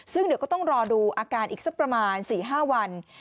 ซึ่งเดี๋ยวก็ต้องรอดูอาการอีกสักประมาณ๔๕วัน